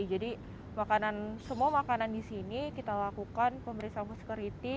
jadi semua makanan di sini kita lakukan pemeriksaan food security